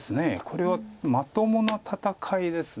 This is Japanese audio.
これはまともな戦いです。